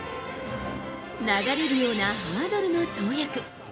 流れるようなハードルの跳躍。